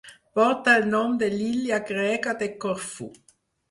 Porta el nom de l'illa grega de Corfú.